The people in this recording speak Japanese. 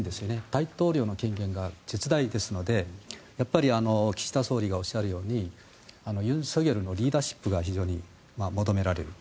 大統領の権限が絶大ですのでやっぱり岸田総理がおっしゃるように尹錫悦のリーダーシップが非常に求められる。